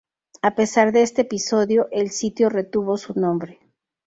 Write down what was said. A pesar de este episodio, el sitio retuvo su nombre.